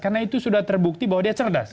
karena itu sudah terbukti bahwa dia cerdas